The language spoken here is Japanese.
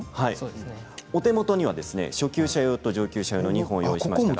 お手元には初級者用と上級者用の２本をご用意しました。